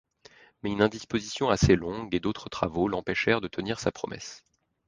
Mais une indisposition assez longue et d'autres travaux l'empêchèrent de tenir sa promesse.